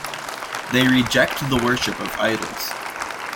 They reject the worship of idols.